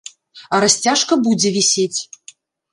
А расцяжка будзе вісець!